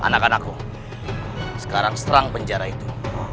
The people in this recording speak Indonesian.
anak anakku sekarang seterang penjara itu